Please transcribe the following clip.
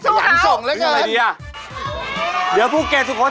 สรุปนะคะวันนี้พี่นายกี้ได้รับรางวัลกลับไป๔๐๐๐๐บาท